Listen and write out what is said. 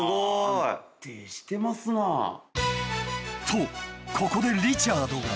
［とここでリチャードが］